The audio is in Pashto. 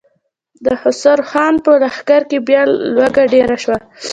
د خسرو خان په لښکر کې بيا لوږه ډېره شوه.